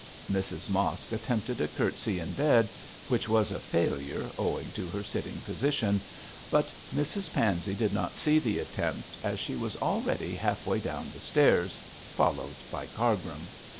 Mrs Mosk attempted a curtsey in bed, which was a failure owing to her sitting position; but Mrs Pansey did not see the attempt, as she was already half way down the stairs, followed by Cargrim.